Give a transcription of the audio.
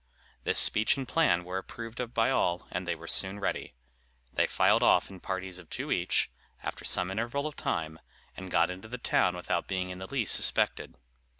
This speech and plan were approved of by all, and they were soon ready. They filed off in parties of two each, after some interval of time, and got into the town without being in the least suspected.